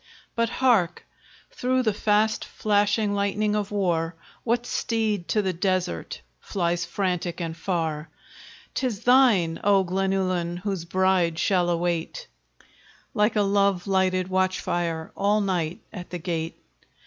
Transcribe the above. But hark! through the fast flashing lightning of war, What steed to the desert flies frantic and far? 'Tis thine, O Glenullin! whose bride shall await, Like a love lighted watch fire, all night at the gate.